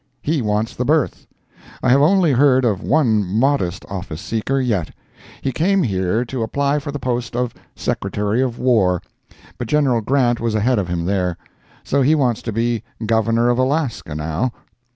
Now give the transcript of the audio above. He wants the berth! I have only heard of one modest office seeker yet. He came here to apply for the post of Secretary of War, but General Grant was ahead of him there. So he wants to be Governor of Alaska, now.